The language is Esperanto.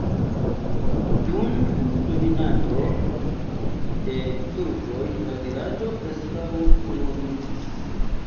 Dun dominado de turkoj la vilaĝo preskaŭ senhomiĝis.